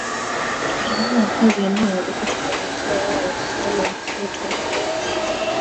Waliwaua wakaazi ambao walipita kwenye njia yao na kuchoma moto magari sita